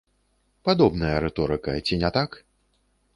Падобная рыторыка, ці не так?